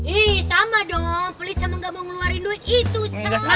iih sama dong pelit sama gak mau ngeluarin duit itu sama